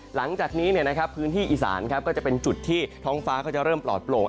หลังจากนี้พื้นที่อีสานก็จะเป็นจุดที่ท้องฟ้าก็จะเริ่มปลอดโปรด